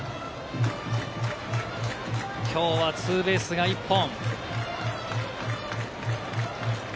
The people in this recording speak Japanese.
きょうはツーベースが１本。